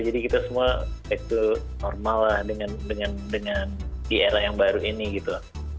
jadi kita semua normal lah dengan era yang baru ini gitu